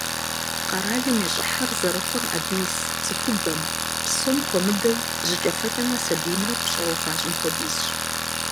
Къэралым и щӀыхьыр зэрыхъур абы ис цӀыхубэм, псом хуэмыдэу, жьыкӏэфэкӏэмрэ сабиймрэ пщӀэуэ хуащӀым хуэдизщ.